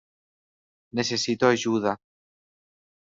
Necessito ajuda.